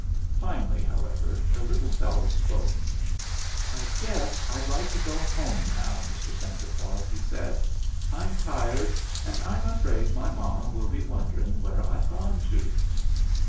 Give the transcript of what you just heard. Finally, however, the little fellow spoke. "I guess I'd like to go home now, Mr. Santa Claus," he said. "I'm tired, and I'm afraid my mama will be wondering where I've gone to."